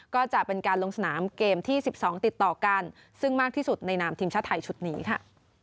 ก็จะเป็นการลงสนามเกมที่๑๒ติดต่อกันซึ่งมากที่สุดในนามทีมชาติไทยชุดนี้ค่ะ